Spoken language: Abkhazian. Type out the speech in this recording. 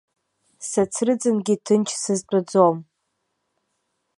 Сацрыҵынгьы ҭынч сызтәаӡом.